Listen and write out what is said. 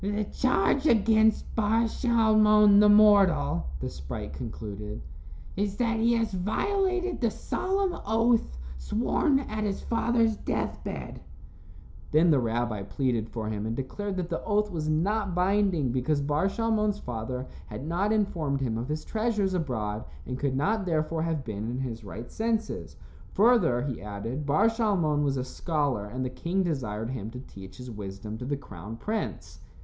"The charge against Bar Shalmon, the mortal," the sprite concluded, "is that he has violated the solemn oath sworn at his father's death bed." Then the rabbi pleaded for him and declared that the oath was not binding because Bar Shalmon's father had not informed him of his treasures abroad and could not therefore have been in his right senses. Further, he added, Bar Shalmon was a scholar and the king desired him to teach his wisdom to the crown prince.